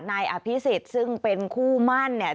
นายอภิษฎซึ่งเป็นคู่มั่นเนี่ย